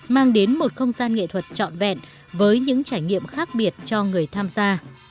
mang đến một không gian nghệ thuật trọn vẹn với những trải nghiệm khác biệt cho người tham gia